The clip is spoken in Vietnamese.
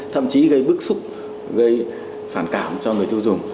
thậm chí gây bức xúc gây phản cảm cho người tiêu dùng